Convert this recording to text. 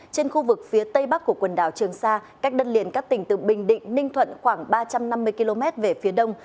trên khu vực phía tây bắc của quần đảo trường sa cách đất liền các tỉnh từ bình định ninh thuận khoảng ba trăm năm mươi km về phía đông